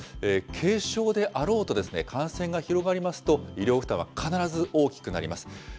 軽症であろうと感染が広がりますと、医療負担は必ず大きくなります。